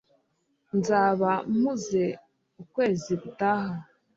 nzaba mpuze ukwezi gutaha